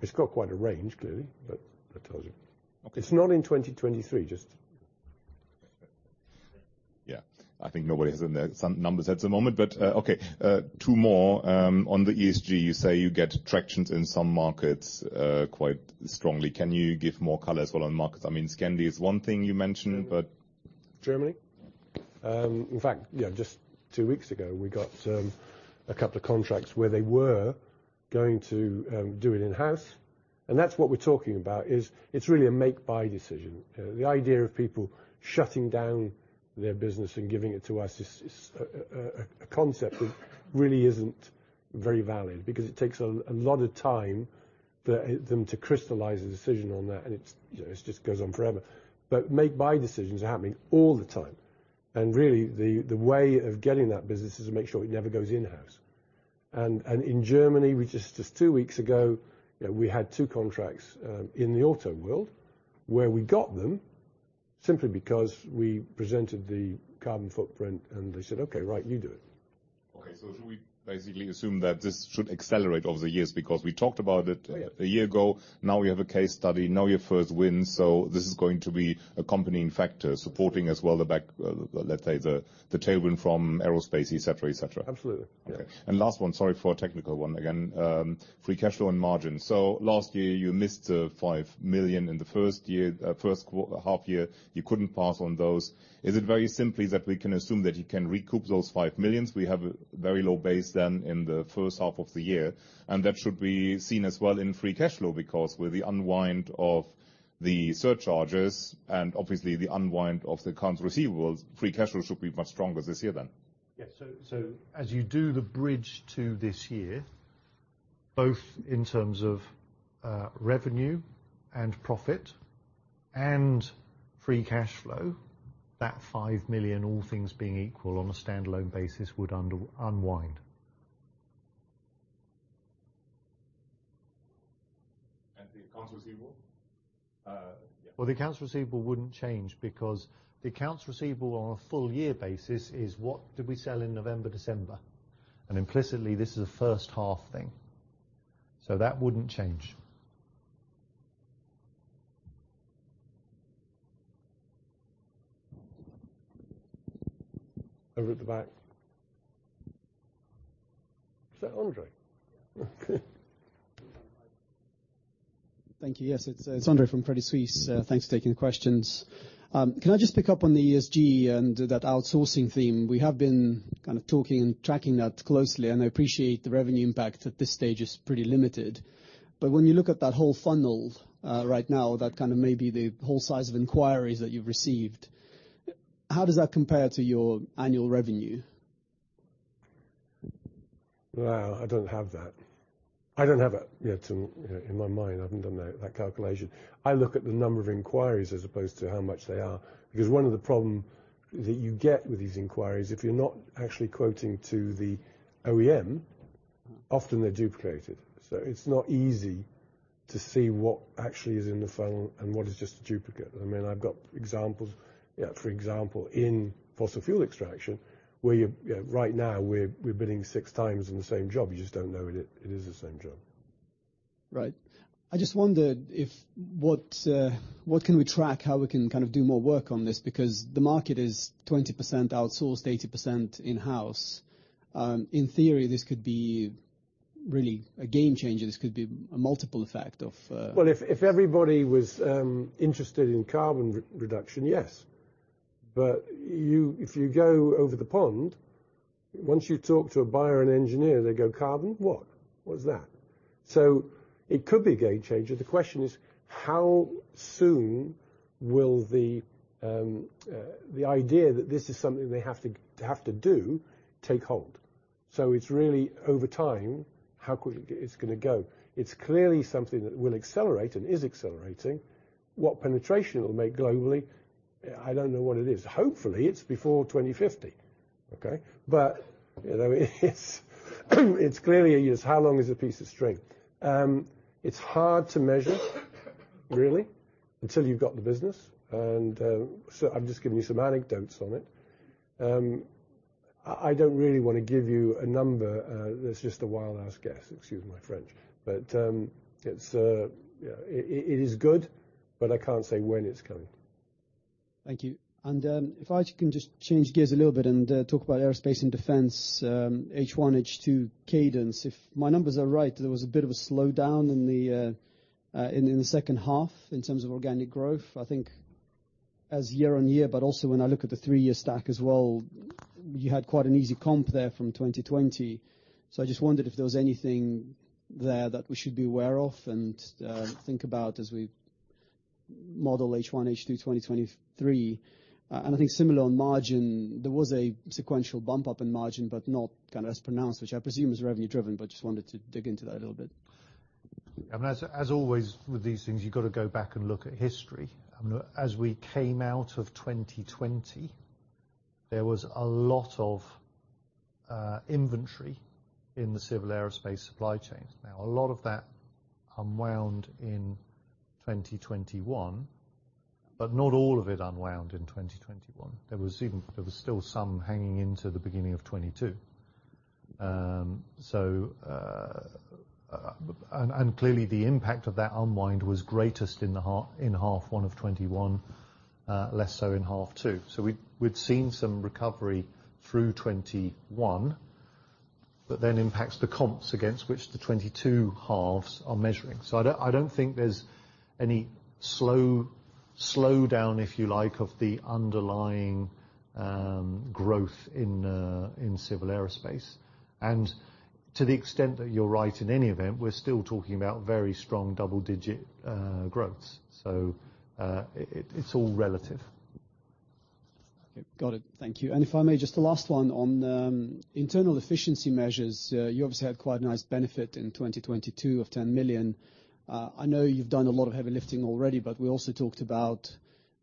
It's got quite a range clearly, but that tells you. Okay. It's not in 2023, just... Yeah. I think nobody has in the some numbers at the moment, but okay. Two more. On the ESG, you say you get tractions in some markets quite strongly. Can you give more color as well on markets? I mean, Scandi is one thing you mentioned, but. Germany. In fact, you know, just two weeks ago, we got a couple of contracts where they were going to do it in-house. That's what we're talking about is it's really a make buy decision. The idea of people shutting down their business and giving it to us is a concept that really isn't very valid because it takes a lot of time for them to crystallize a decision on that, and it's, you know, it just goes on forever. Make buy decisions are happening all the time. Really the way of getting that business is to make sure it never goes in-house. In Germany, we just two weeks ago, you know, we had two contracts in the auto world where we got them simply because we presented the carbon footprint and they said, "Okay, right, you do it. Should we basically assume that this should accelerate over the years? Oh, yeah.... a year ago. Now we have a case study. Now your first win. This is going to be accompanying factor supporting as well the back, let's say, the tailwind from aerospace, et cetera, et cetera. Absolutely. Last one, sorry for a technical one again, free cash flow and margin. Last year you missed 5 million in the first half year, you couldn't pass on those. Is it very simply that we can assume that you can recoup those 5 million? We have a very low base then in the first half of the year. That should be seen as well in free cash flow, because with the unwind of the surcharges and obviously the unwind of the accounts receivables, free cash flow should be much stronger this year then. Yes. As you do the bridge to this year, both in terms of revenue and profit and free cash flow, that 5 million, all things being equal on a standalone basis, would unwind. the accounts receivable? Yeah. The accounts receivable wouldn't change because the accounts receivable on a full year basis is what did we sell in November, December? Implicitly, this is a first half thing. That wouldn't change. Over at the back. Is that Andre? Thank you. Yes, it's Andre from Credit Suisse. Thanks for taking the questions. Can I just pick up on the ESG and that outsourcing theme? We have been kind of talking and tracking that closely, and I appreciate the revenue impact at this stage is pretty limited. When you look at that whole funnel, right now, that kind of maybe the whole size of inquiries that you've received, how does that compare to your annual revenue? I don't have that. I don't have it yet in my mind. I haven't done that calculation. I look at the number of inquiries as opposed to how much they are. One of the problem that you get with these inquiries, if you're not actually quoting to the OEM, often they're duplicated. It's not easy to see what actually is in the funnel and what is just a duplicate. I mean, I've got examples, you know, for example, in fossil fuel extraction, where you're, you know, right now we're bidding 6x in the same job. You just don't know it is the same job. Right. I just wondered if what can we track, how we can kind of do more work on this? The market is 20% outsourced, 80% in-house. In theory, this could be really a game changer. This could be a multiple effect of. Well, if everybody was interested in carbon re-reduction, yes. You, if you go over the pond, once you talk to a buyer and engineer, they go, "Carbon? What? What is that?" It could be a game changer. The question is, how soon will the idea that this is something they have to do take hold? It's really over time, how quickly it's gonna go. It's clearly something that will accelerate and is accelerating. What penetration it'll make globally, I don't know what it is. Hopefully, it's before 2050, okay? You know, it's clearly is how long is a piece of string. It's hard to measure, really, until you've got the business. I'm just giving you some anecdotes on it. I don't really wanna give you a number. That's just a wild ass guess. Excuse my French. It's, you know, it is good, but I can't say when it's coming. Thank you. If I can just change gears a little bit and talk about aerospace and defense, H1, H2 cadence. If my numbers are right, there was a bit of a slowdown in the second half in terms of organic growth, I think as year-over-year, but also when I look at the three-year stack as well, you had quite an easy comp there from 2020. I just wondered if there was anything there that we should be aware of and think about as we model H1 ,H2 2023. I think similar on margin, there was a sequential bump up in margin, but not kind of as pronounced, which I presume is revenue driven, but just wanted to dig into that a little bit. I mean, as always with these things, you've got to go back and look at history. I mean, as we came out of 2020, there was a lot of inventory in the civil aerospace supply chains. A lot of that unwound in 2021, but not all of it unwound in 2021. There was still some hanging into the beginning of 2022. And clearly the impact of that unwind was greatest in the half, in half one of 2021, less so in half two. We'd seen some recovery through 2021. Then impacts the comps against which the 2022 halves are measuring. I don't think there's any slow down, if you like, of the underlying growth in civil aerospace. To the extent that you're right in any event, we're still talking about very strong double-digit growth. It's all relative. Okay. Got it. Thank you. If I may, just the last one on the internal efficiency measures. You obviously had quite a nice benefit in 2022 of 10 million. I know you've done a lot of heavy lifting already, but we also talked about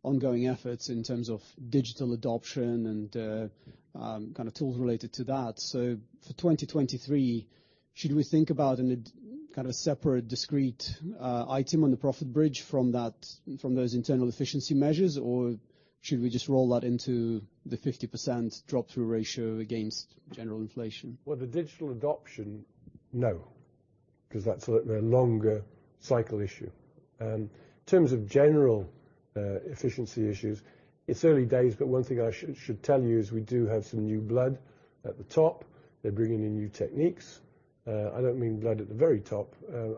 ongoing efforts in terms of digital adoption and kind of tools related to that. For 2023, should we think about in a kind of separate discrete item on the profit bridge from those internal efficiency measures? Or should we just roll that into the 50% drop-through ratio against general inflation? The digital adoption, no, because that's a longer cycle issue. In terms of general efficiency issues, it's early days, but one thing I should tell you is we do have some new blood at the top. They're bringing in new techniques. I don't mean blood at the very top.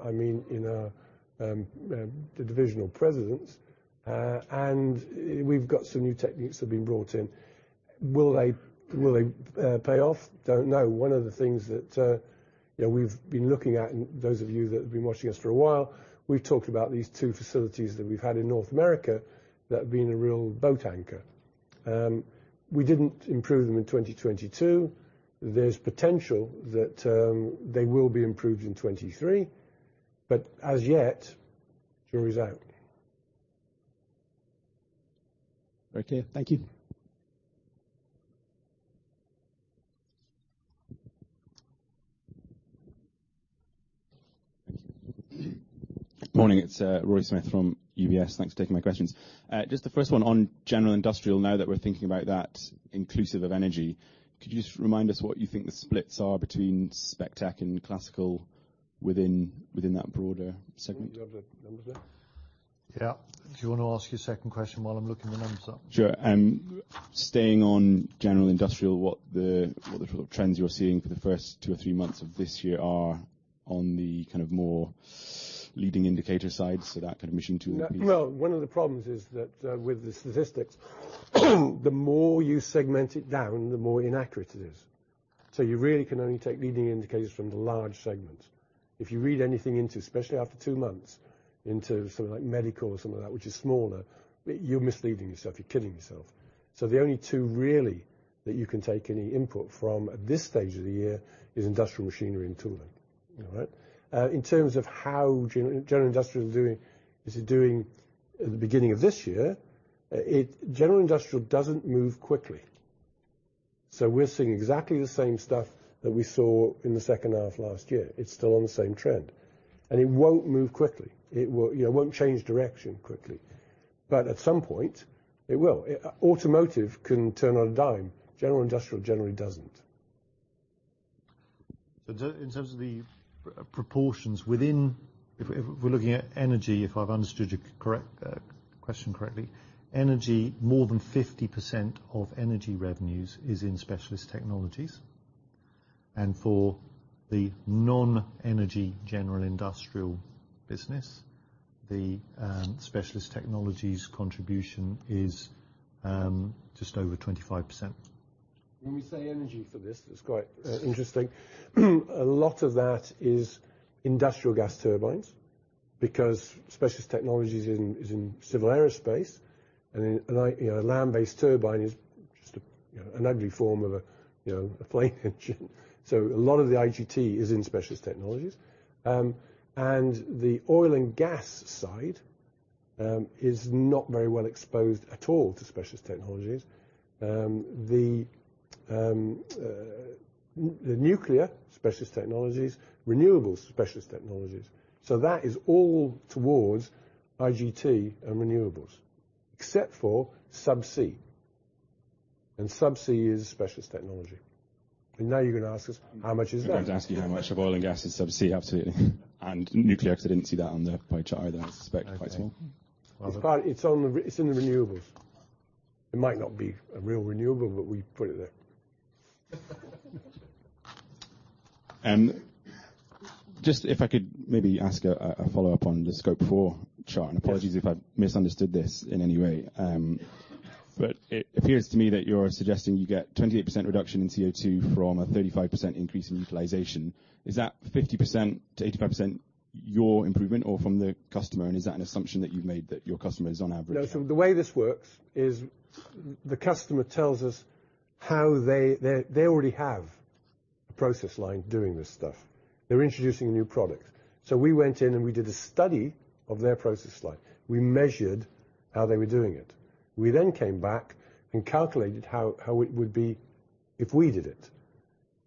I mean, in the divisional presidents. We've got some new techniques that have been brought in. Will they pay off? Don't know. One of the things that, you know, we've been looking at, and those of you that have been watching us for a while, we've talked about these two facilities that we've had in North America that have been a real boat anchor. We didn't improve them in 2022. There's potential that they will be improved in 2023, but as yet, jury's out. Very clear. Thank you. Thank you. Morning, it's Rory Smith from UBS. Thanks for taking my questions. Just the first one on general industrial. Now that we're thinking about that inclusive of energy, could you just remind us what you think the splits are between Specialist Technologies and Classical within that broader segment? Do you have the numbers there? Yeah. Do you wanna ask your second question while I'm looking the numbers up? Sure. Staying on general industrial, what the trends you're seeing for the first two or three months of this year are on the kind of more leading indicator side, so that kind of machine tool piece? No. One of the problems is that with the statistics, the more you segment it down, the more inaccurate it is. You really can only take leading indicators from the large segments. If you read anything into, especially after two months, into something like medical or something like that, which is smaller, you're misleading yourself, you're killing yourself. The only two really that you can take any input from at this stage of the year is industrial machinery and tooling. All right? In terms of how general industrial is doing at the beginning of this year, General industrial doesn't move quickly. We're seeing exactly the same stuff that we saw in the second half of last year. It's still on the same trend. It won't move quickly. You know, it won't change direction quickly. At some point, it will. Automotive can turn on a dime. General Industrial generally doesn't. In, in terms of the proportions within... If we're, if we're looking at energy, if I've understood your correct question correctly, energy, more than 50% of energy revenues is in Specialist Technologies. For the non-energy General Industrial business, the Specialist Technologies contribution is just over 25%. When we say energy for this, it's quite interesting. A lot of that is industrial gas turbines because Specialist Technologies is in, is in civil aerospace, and, you know, a land-based turbine is just, you know, an ugly form of a, you know, a plane engine. A lot of the IGT is in Specialist Technologies. And the oil and gas side is not very well exposed at all to Specialist Technologies. The nuclear Specialist Technologies, renewables Specialist Technologies. That is all towards IGT and renewables. Except for subsea. Subsea is specialist technology. Now you're gonna ask us how much is that? I'm going to ask you how much of oil and gas is subsea, absolutely. Nuclear, because I didn't see that on the pie chart either, I suspect, if I saw? It's in the renewables. It might not be a real renewable, but we put it there. Just if I could maybe ask a follow-up on the Scope Four chart. Yes. Apologies if I've misunderstood this in any way. It appears to me that you're suggesting you get 28% reduction in CO2 from a 35% increase in utilization. Is that 50%-85% your improvement or from the customer? Is that an assumption that you've made that your customer is on average? No. The way this works is the customer tells us how. They already have a process line doing this stuff. They're introducing a new product. We went in and we did a study of their process line. We measured how they were doing it. We then came back and calculated how it would be if we did it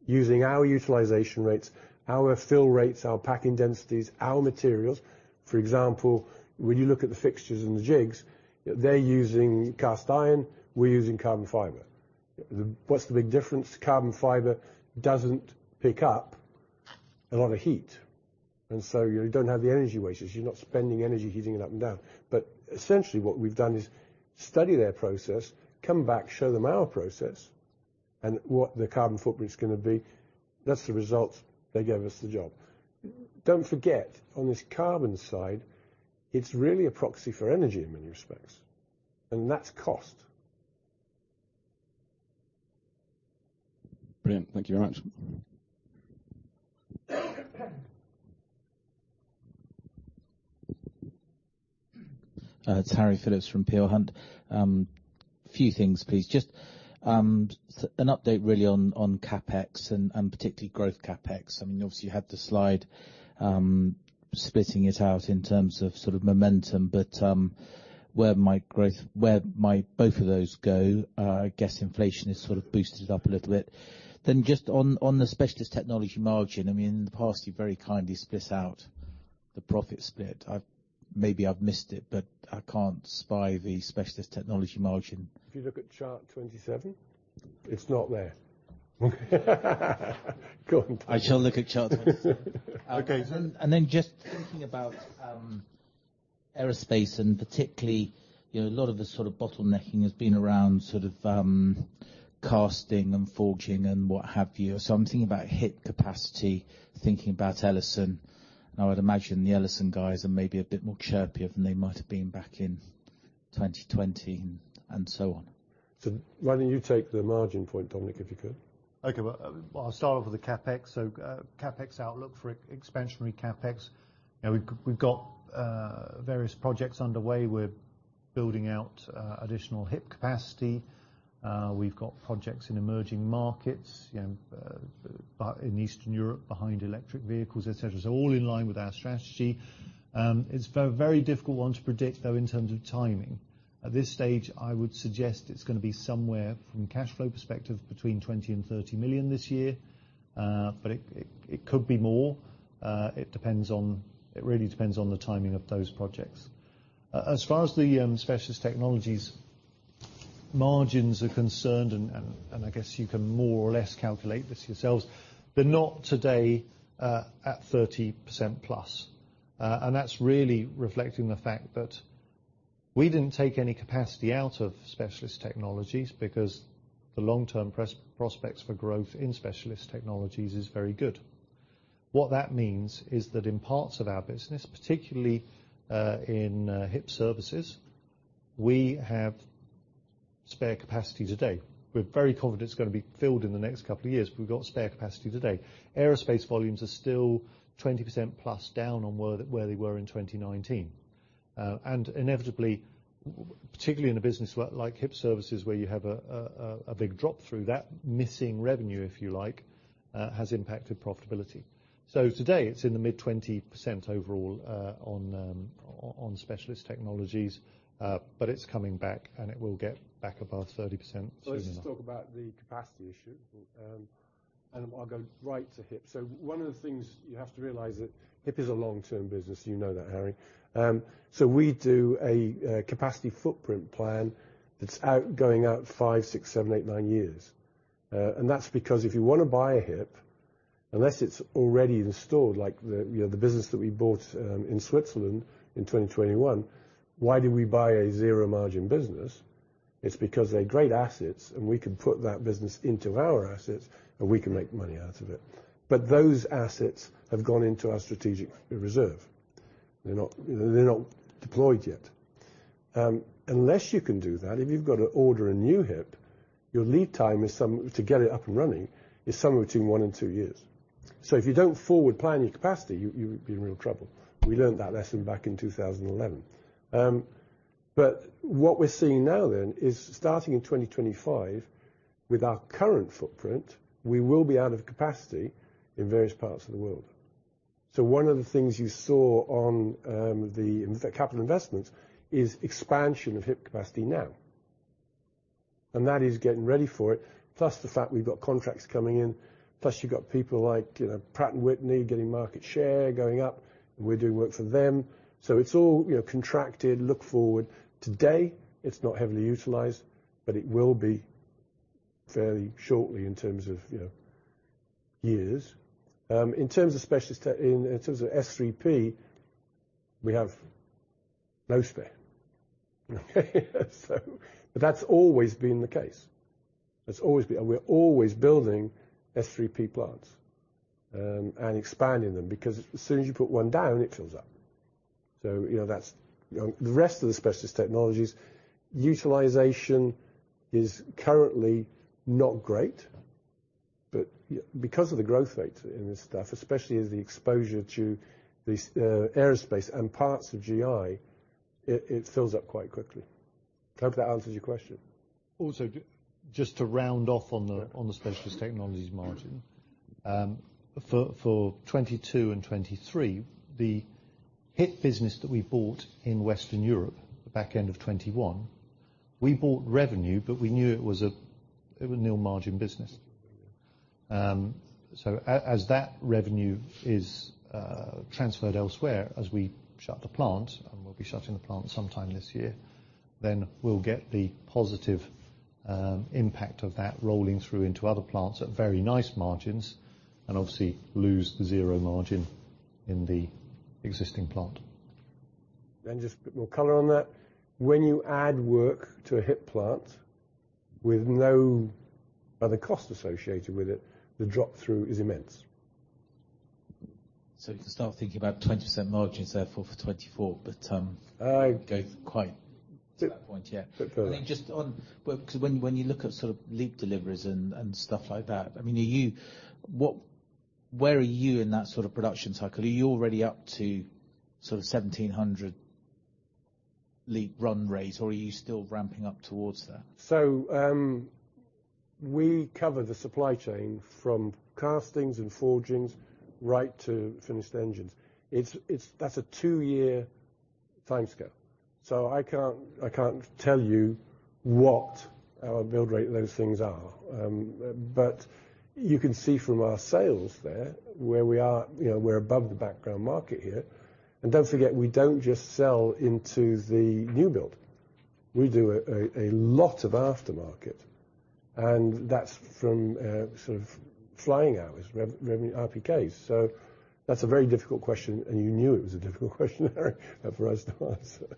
using our utilization rates, our fill rates, our packing densities, our materials. For example, when you look at the fixtures and the jigs, they're using cast iron, we're using carbon fibre. What's the big difference? Carbon fibre doesn't pick up a lot of heat. You don't have the energy wastes. You're not spending energy heating it up and down. Essentially what we've done is study their process, come back, show them our process, and what the carbon footprint's gonna be. That's the results. They gave us the job. Don't forget, on this carbon side, it's really a proxy for energy in many respects, and that's cost. Brilliant. Thank you very much. It's Harry Philips from Peel Hunt. Few things please. Just an update really on CapEx and particularly growth CapEx. I mean, obviously you had the slide, splitting it out in terms of sort of momentum. Where might both of those go? I guess inflation has sort of boosted it up a little bit. Just on the Specialist Technologies margin, I mean, in the past, you very kindly split out the profit split. Maybe I've missed it, but I can't spy the Specialist Technologies margin. If you look at chart 27, it's not there. Go on. I shall look at chart 27. Okay. Just thinking about aerospace and particularly, you know, a lot of the sort of bottlenecking has been around sort of casting and forging and what have you. I'm thinking about HIP capacity, thinking about Ellison. I'd imagine the Ellison guys are maybe a bit more chirpier than they might've been back in 2020 and so on. Why don't you take the margin point, Dominic, if you could? Okay. Well, I'll start off with the CapEx. CapEx outlook for expansionary CapEx. You know, we've got various projects underway. We're building out additional HIP capacity. We've got projects in emerging markets, you know, but in Eastern Europe behind electric vehicles, et cetera. All in line with our strategy. It's a very difficult one to predict though in terms of timing. At this stage, I would suggest it's gonna be somewhere from a cash flow perspective between 20 million and 30 million this year. But it could be more. It really depends on the timing of those projects. As far as the Specialist Technologies margins are concerned, and I guess you can more or less calculate this yourselves. They're not today at 30%+. That's really reflecting the fact that we didn't take any capacity out of Specialist Technologies because the long-term prospects for growth in Specialist Technologies is very good. What that means is that in parts of our business, particularly in HIP Services, we have spare capacity today. We're very confident it's gonna be filled in the next couple of years. We've got spare capacity today. Aerospace volumes are still 20%+ down on where they were in 2019. Inevitably, well, particularly in a business like HIP Services, where you have a big drop-through, that missing revenue if you like, has impacted profitability. Today it's in the mid-20% overall on Specialist Technologies, but it's coming back, and it will get back above 30% soon enough. Let's talk about the capacity issue. I'll go right to HIP. One of the things you have to realize that HIP is a long-term business. You know that, Harry. We do a capacity footprint plan that's out, going out fiv, six, seven, eight, nine years. That's because if you wanna buy a HIP, unless it's already installed, like the, you know, the business that we bought in Switzerland in 2021, why do we buy a zero margin business? It's because they're great assets, and we can put that business into our assets, and we can make money out of it. Those assets have gone into our strategic reserve. They're not deployed yet. Unless you can do that, if you've got to order a new HIP, your lead time to get it up and running, is somewhere between one and two years. If you don't forward plan your capacity, you'd be in real trouble. We learned that lesson back in 2011. What we're seeing now then is starting in 2025, with our current footprint, we will be out of capacity in various parts of the world. One of the things you saw on the capital investments is expansion of HIP capacity now. That is getting ready for it, plus the fact we've got contracts coming in, plus you've got people like, you know, Pratt & Whitney getting market share going up, and we're doing work for them. It's all, you know, contracted, look forward. Today, it's not heavily utilized, but it will be fairly shortly in terms of, you know, years. In terms of S3P, we have no spare. That's always been the case. That's always been. We're always building S3P plants, and expanding them because as soon as you put one down, it fills up. You know, that's, you know. The rest of the Specialist Technologies, utilization is currently not great, but because of the growth rates in this stuff, especially as the exposure to the aerospace and parts of GI, it fills up quite quickly. Hope that answers your question. Just to round off on the Specialist Technologies margin, for 2022 and 2023, the HIP business that we bought in Western Europe, the back end of 2021, we bought revenue, but we knew it was a, it was a nil margin business. As that revenue is transferred elsewhere as we shut the plant, and we'll be shutting the plant sometime this year. We'll get the positive impact of that rolling through into other plants at very nice margins, and obviously lose the zero margin in the existing plant. Just a bit more color on that. When you add work to a HIP plant with no other cost associated with it, the drop-through is immense. You can start thinking about 20% margins, therefore, for 2024, but. I- -go quite to that point, yeah. Go ahead. 'Cause when you look at sort of LEAP deliveries and stuff like that, I mean, where are you in that sort of production cycle? Are you already up to sort of 1,700 LEAP run rate, or are you still ramping up towards that? We cover the supply chain from castings and forgings right to finished engines. That's a two-year timescale. I can't tell you what our build rate on those things are. You can see from our sales there, where we are, you know, we're above the background market here. Don't forget, we don't just sell into the new build. We do a lot of aftermarket, and that's from sort of flying hours, RPKs. That's a very difficult question, and you knew it was a difficult question for us to answer.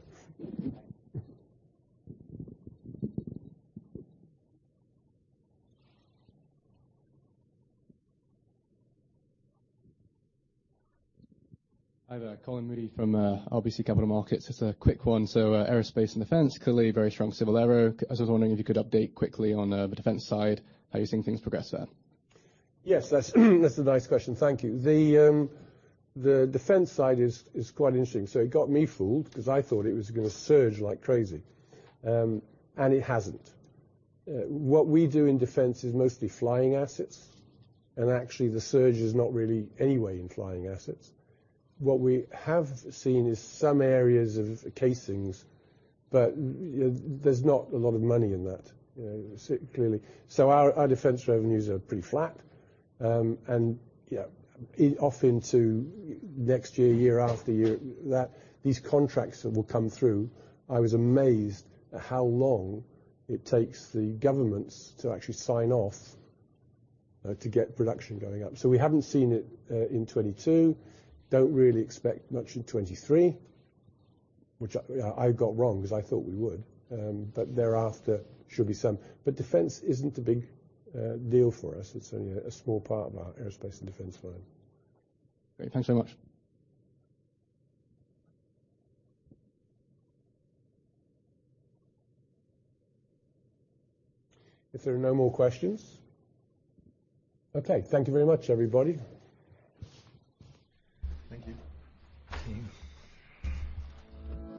Hi there. Colin Moody from RBC Capital Markets. Just a quick one. Aerospace and defense, clearly very strong civil aero. I was just wondering if you could update quickly on the defense side, how you're seeing things progress there. Yes, that's a nice question. Thank you. The defense side is quite interesting. It got me fooled, because I thought it was going to surge like crazy, and it hasn't. What we do in defense is mostly flying assets, and actually, the surge is not really any way in flying assets. What we have seen is some areas of casings, but there's not a lot of money in that, you know, clearly. Our defense revenues are pretty flat. You know, off into next year after year, these contracts will come through. I was amazed at how long it takes the governments to actually sign off to get production going up. We haven't seen it in 2022. Don't really expect much in 2023, which I got wrong 'cause I thought we would. Thereafter should be some. Defense isn't a big deal for us. It's only a small part of our Aerospace and Defense line. Great. Thanks so much. If there are no more questions. Okay. Thank you very much, everybody. Thank you.